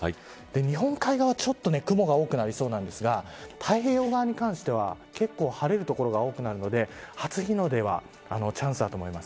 日本海側、ちょっと雲が多くなりそうなんですが太平洋側に関しては結構、晴れる所が多くなるので初日の出はチャンスだと思います。